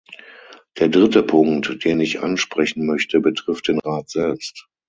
Der dritte Punkt, den ich ansprechen möchte, betrifft den Rat selbst.